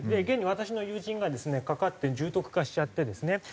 現に私の友人がですねかかって重篤化しちゃってですね